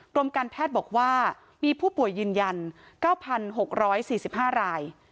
กรมการแพทย์บอกว่ามีผู้ป่วยยืนยัน๙๖๔๕ราย